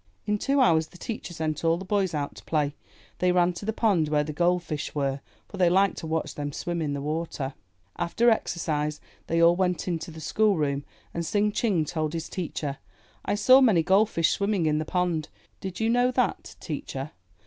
In two hours the teacher sent all the boys out to play. They ran to the pond where the gold fish were, for they liked to watch them swim in the water. After exercise, they all went into the schoolroom and Tsing Ching told his teacher, '*I saw many gold fish swimming in the pond. Did you know that, teacher?